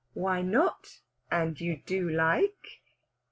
"Why not? And you do like?"